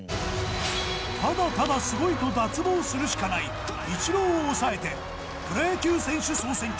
ただただすごいと脱帽するしかないイチローを抑えてプロ野球選手総選挙